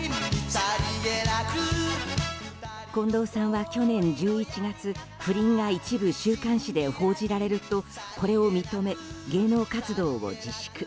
近藤さんは去年１１月不倫が一部週刊誌で報じられるとこれを認め、芸能活動を自粛。